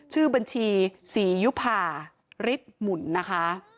ชื่อบัญชีศรียุภาฤทธิ์หมุนนะคะ